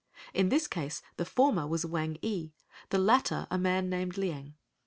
In this case the former was Wang ee; the latter a man named Liang.